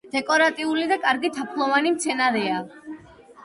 დეკორატიული და კარგი თაფლოვანი მცენარეა.